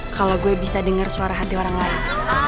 kalo gue bisa denger suara hati orang lain